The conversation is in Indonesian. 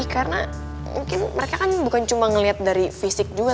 karena mungkin mereka kan bukan cuma ngeliat dari fisik juga